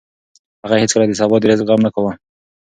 هغه هېڅکله د سبا د رزق غم نه کاوه.